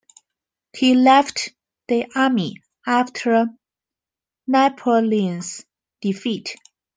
He left the army after Napoleon's defeat.